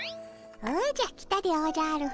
おじゃ来たでおじゃる。